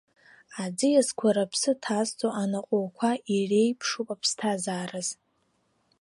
Аӡиасқәа рыԥсы ҭазҵо анаҟәоуқәа иреиԥшуп аԥсҭазаараз.